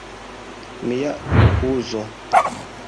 Mia kuzo.